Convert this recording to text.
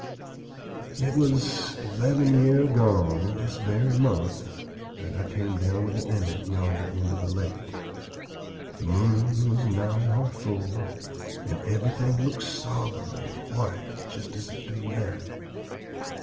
"It was eleven year agone, in this very month, that I came down the inlet yonder into the lake. The moon was nigh her full, and everything looked solemn and white just as it do now.